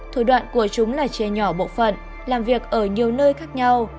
thủy đoạn của chúng là chê nhỏ bộ phận làm việc ở nhiều nơi khác nhau